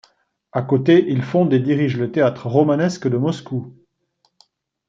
À côté, il fonde et dirige le théâtre Romanesque de Moscou.